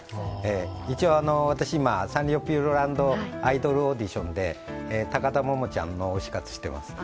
一応、今、私、サンリオピューロランドアイドルオーディションでタカタモモちゃんの推し活してます。